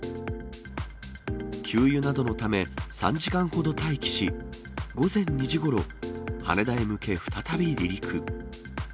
給油などのため、３時間ほど待機し、午前２時ごろ、羽田へ向け再び離陸。